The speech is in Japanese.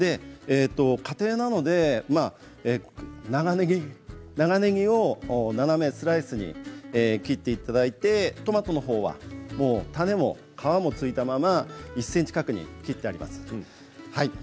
家庭なので長ねぎを斜めスライスに切っていただいてトマトのほうは種も皮もついたまま１ｃｍ角に切ってあります。